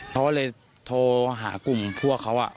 เขาก็เลยโทรหากลุ่มพวกเขา